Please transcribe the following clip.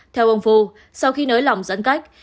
theo ông phu sau khi nới lỏng giãn cách